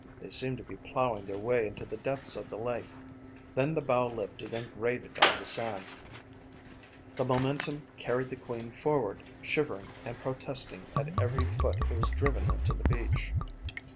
They seemed to be plowing their way into the depths of the lake. Then the bow lifted and grated on the sand. The momentum carried the Queen forward, shivering and protesting at every foot it was driven into the beach.